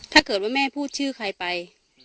ถ้าเกิดว่าแม่พูดชื่อใครไป